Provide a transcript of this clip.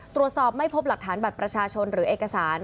ตรวจสอบไม่พบหลักฐานบัตรประชาชนหรือเอกสาร